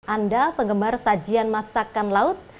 anda penggemar sajian masakan laut